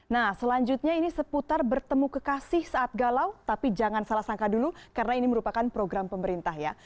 nah selanjutnya ini seputar bertemu kekasih saat galau tapi jangan salah sangka dulu karena ini merupakan program pemerintah ya